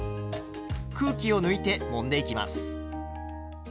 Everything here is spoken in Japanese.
空気を抜いてもんでいきます。